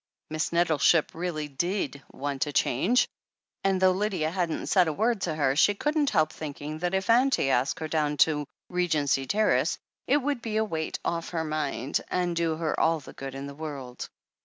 Miss Nettleship really did want a change, and though Lydia hadn't said a word to her, she couldn't help thinking that if Auntie asked her down to Regency Terrace, it would be a weight off her mind, and do her all the good in the world.